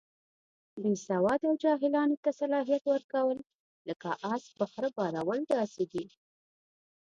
بې سواده او جاهلانو ته صلاحیت ورکول، لکه اس په خره بارول داسې دي.